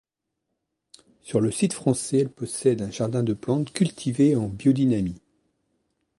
Sur le site français elle possède un jardin de plantes, cultivées en biodynamie.